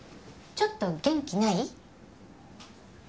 ちょっと元気ない？